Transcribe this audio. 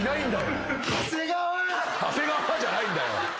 「長谷川」じゃないんだよ。